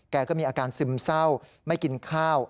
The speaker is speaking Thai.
แกก็มีอาการซึมเศร้าไม่กินข้าว